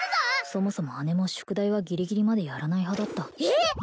そもそも姉も宿題はギリギリまでやらない派だったええっ！